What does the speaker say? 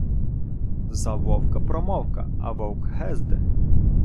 За вовка промовка, а вовк гезде.